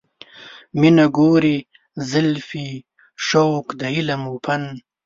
مینه، ګورې زلفې، شوق د علم و فن